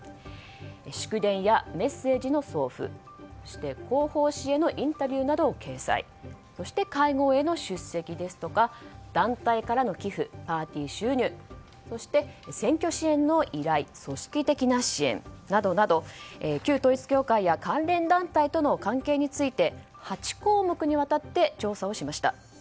祝電やメッセージの送付そして広報紙へのインタビューの掲載そして、会合への出席ですとか団体からの寄付パーティー収入そして選挙支援の以来組織的な支援などなど旧統一教会や関連団体との関係について８項目にわたって調査しました。